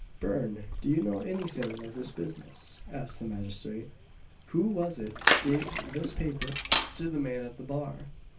"Burn, do you know anything of this business?" asked the magistrate. "Who was it gave this paper to the man at the bar?"